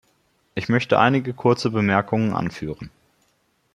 Ich möchte einige kurze Bemerkungen anführen.